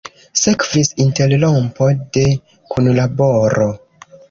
Sekvis interrompo de kunlaboro.